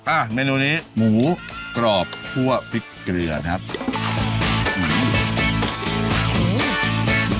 อ่ะเมนูนี้หมูกรอบคั่วพริกเกลือครับ